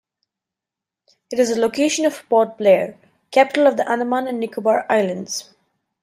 It is the location of Port Blair, capital of the Andaman and Nicobar Islands.